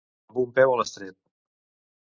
Amb un peu a l'estrep.